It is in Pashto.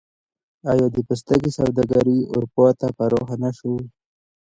آیا د پوستکي سوداګري اروپا ته پراخه نشوه؟